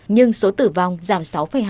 nhưng số tử vong giảm sáu hai